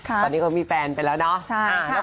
ตอนนี้เขามีแฟนไปแล้วเนาะ